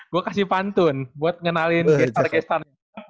gue kasih pantun buat ngenalin kestan kestan